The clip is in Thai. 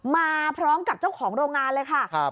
มาพร้อมกับเจ้าของโรงงานเลยค่ะ